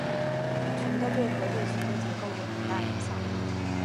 群的对合对群的结构有很大影响。